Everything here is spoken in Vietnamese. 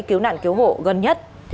cứu nạn cứu hộ gần nhất